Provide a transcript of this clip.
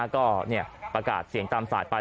ก็ประกาศเสียงตามสายไป